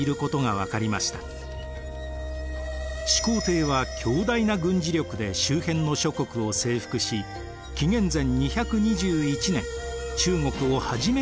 始皇帝は強大な軍事力で周辺の諸国を征服し紀元前２２１年中国を初めて統一した皇帝です。